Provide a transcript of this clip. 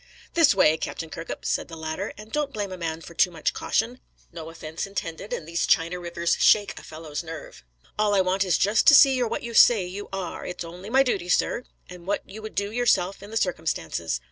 "This way, Captain Kirkup," said the latter. "And don't blame a man for too much caution; no offence intended; and these China rivers shake a fellow's nerve. All I want is just to see you're what you say you are; it's only my duty, sir, and what you would do yourself in the circumstances.